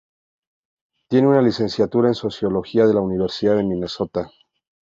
Tiene una licenciatura en Sociología de la Universidad de Minnesota.